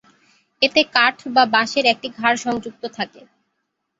এতে কাঠ বা বাঁশের একটি ঘাড় সংযুক্ত থাকে।